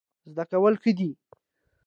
زده کول ښه دی.